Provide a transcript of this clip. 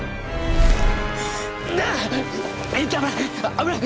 危ない！